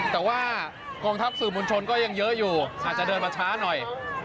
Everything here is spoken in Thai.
แต่ว่ากองทัพสื่อมวลชนก็ยังเยอะอยู่อาจจะเดินมาช้าหน่อย